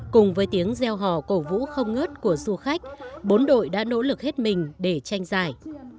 cùng với tiếng gieo hò cổ vũ không ngớt của du khách bốn đội đã nỗ lực hết mình để tranh giải